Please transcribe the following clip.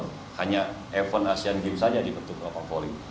kebenaran asian games saja dibentuk gor volley